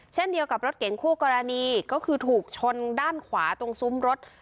เช่นเดียวกับรถเก่งคู่กรณีก็คือถูกชนด้านขวาตรงซุ้มรถ